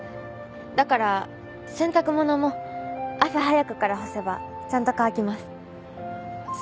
だから洗濯物も朝早くから干せばちゃんと乾きます。